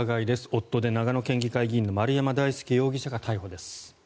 夫で長野県議会議員の丸山大輔容疑者が逮捕です。